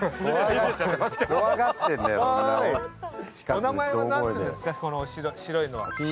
お名前は何ていうんですか、白いのは？